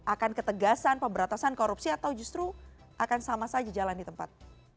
akan ketegasan pemberantasan korupsi atau justru akan sama saja jalan di tempat